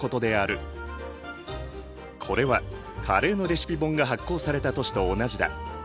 これはカレーのレシピ本が発行された年と同じだ。